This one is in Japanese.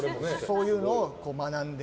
そういうのを学んで。